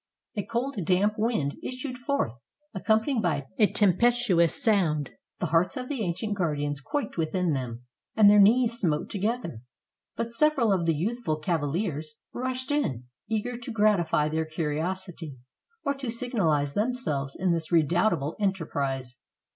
A cold, damp wind issued forth, accom panied by a tempestuous sound. The hearts of the ancient guardians quaked within them, and their knees smote together; but several of the youthful cavaliers rushed in, eager to gratify their curiosity, or to signalize themselves in this redoubtable enterprise.